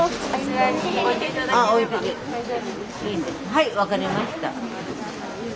はい分かりました。